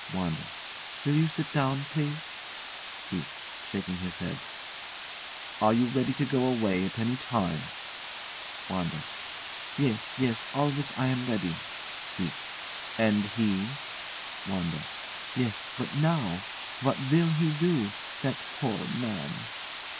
WANDA. Will you sit down, please? KEITH. [Shaking his head] Are you ready to go away at any time? WANDA. Yes, yes; always I am ready. KEITH. And he? WANDA. Yes but now! What will he do? That poor man!